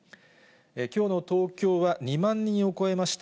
きょうの東京は２万人を超えました。